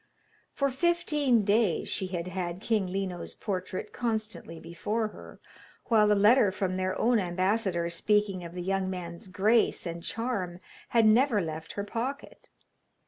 For fifteen days she had had King Lino's portrait constantly before her, while the letter from their own ambassador speaking of the young man's grace and charm had never left her pocket.